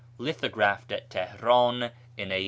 Litliograplied at Teheran in a.